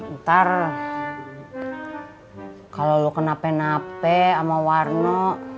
ntar kalo lu kenapen napen ama warno